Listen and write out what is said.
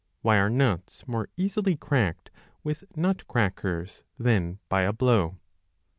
Why are nuts more easily cracked with nut crackers than by a blow